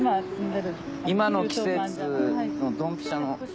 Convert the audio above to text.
今の季節のドンピシャの。